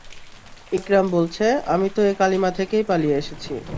ইকরামা বলছে, আমি তো এ কালিমা থেকেই পালিয়ে এসেছি।